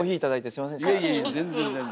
いえいえ全然全然。